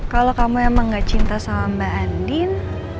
kalau kamu emang tidak mencintai mbak andin